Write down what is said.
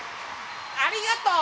ありがとう！